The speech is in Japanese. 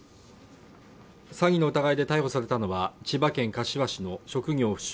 詐欺の疑いで逮捕されたのは、千葉県柏市の職業不詳